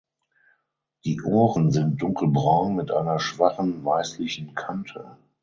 Die Ohren sind dunkelbraun mit einer schwachen weißlichen Kante.